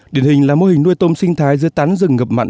điển hình là mô hình nuôi tôm sinh thái dưới tán rừng ngập mặn